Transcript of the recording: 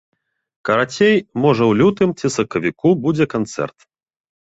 Карацей, можа ў лютым ці сакавіку будзе канцэрт.